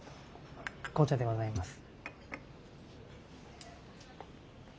紅茶でございます。